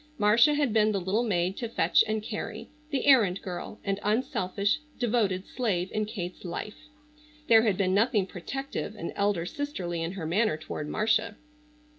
Marcia had been the little maid to fetch and carry, the errand girl, and unselfish, devoted slave in Kate's life. There had been nothing protective and elder sisterly in her manner toward Marcia.